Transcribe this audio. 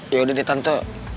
yaudah deh tante